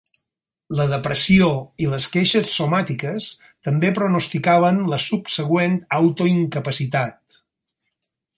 La depressió i les queixes somàtiques també pronosticaven la subsegüent autoincapacitat.